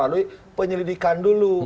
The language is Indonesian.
melalui penyelidikan dulu